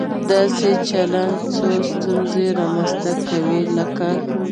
داسې چلن څو ستونزې رامنځته کوي، لکه